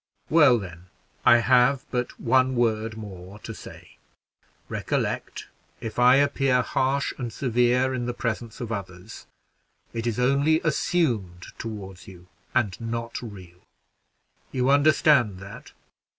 "Well, then, I have but one word more to say recollect, if I appear harsh and severe in the presence of others, it is only assumed toward you, and not real. You understand that?"